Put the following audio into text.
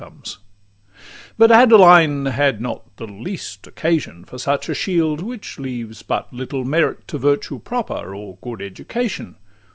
XXXI But Adeline had not the least occasion For such a shield, which leaves but little merit To virtue proper, or good education.